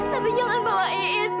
tapi jangan bawa iis pak